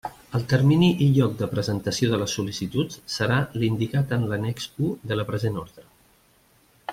El termini i lloc de presentació de les sol·licituds serà l'indicat en l'annex u de la present orde.